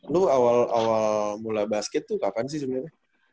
lu awal mula basket tuh kapan sih sebenarnya